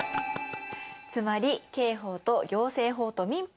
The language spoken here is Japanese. つまり刑法と行政法と民法。